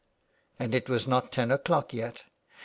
And it was not ten o'clock yet.